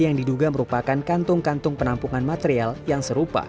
yang diduga merupakan kantung kantung penampungan material yang serupa